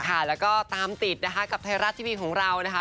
ค่ะแล้วก็ตามติดนะคะกับไทยรัฐทีวีของเรานะคะ